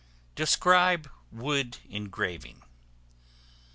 Describe Wood Engraving.